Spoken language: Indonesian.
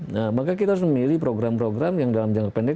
nah maka kita harus memilih program program yang dalam jangka pendek